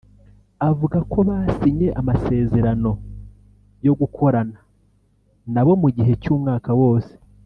avuga ko basinye amasezerano yo gukorana nabo mu gihe cy’umwaka wose